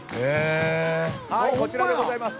はいこちらでございます。